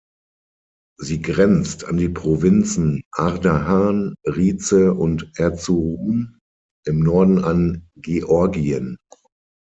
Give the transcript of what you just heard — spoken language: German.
Sie grenzt an die Provinzen Ardahan, Rize und Erzurum, im Norden an Georgien.